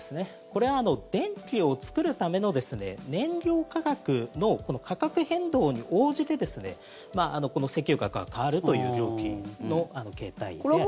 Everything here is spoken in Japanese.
これは電気を作るための燃料価格の価格変動に応じて請求額が変わるという料金の形態です。